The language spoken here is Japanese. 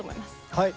はい。